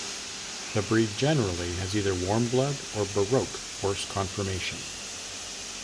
The breed generally has either warmblood or Baroque horse conformation.